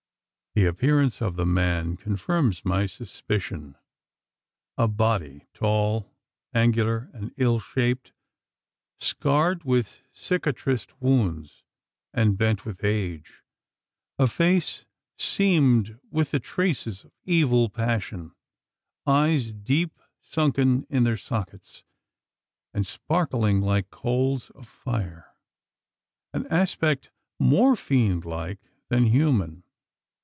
The appearance of the man confirms my suspicion. A body, tall, angular, and ill shaped, scarred with cicatrised wounds, and bent with age; a face seamed with the traces of evil passion; eyes deep sunken in their sockets, and sparkling like coals of fire an aspect more fiend like than human!